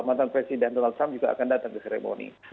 mantan presiden donald trump juga akan datang ke seremoni